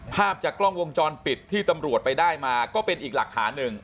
ภาพจากกล้องวงจรปิดที่ตำรวจไปได้มาก็เป็นอีกหลักฐานหนึ่ง